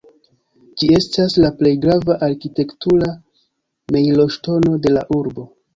Ĝi estas la plej grava arkitektura mejloŝtono de la urbo.